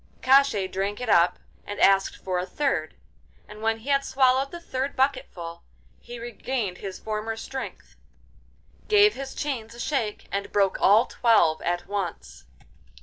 Koshchei drank it up and asked for a third, and when he had swallowed the third bucketful, he regained his former strength, gave his chains a shake, and broke all twelve at once.